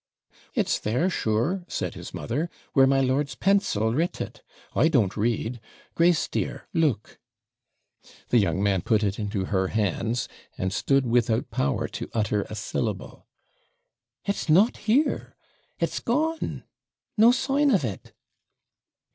'It's there, sure,' said his mother, 'where my lord's pencil writ it. I don't read. Grace, dear, look.' The young man put it into her hands, and stood without power to utter a syllable. 'It's not here! It's gone! no sign of it.'